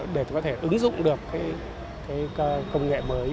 để có thể ứng dụng được công nghệ mới